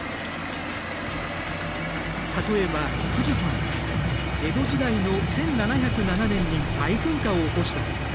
例えば富士山は江戸時代の１７０７年に大噴火を起こした。